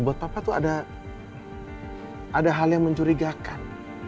buat papa itu ada hal yang mencurigakan